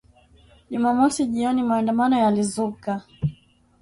Jumamosi jioni maandamano yalizuka